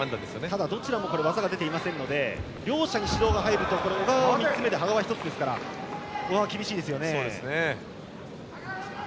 ただ、どちらも技が出ていないので両者に指導が入ると小川は３つ目で羽賀は１つですから小川は厳しいですね。